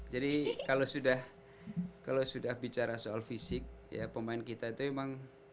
jadi kalau sudah bicara soal fisik ya pemain kita itu emang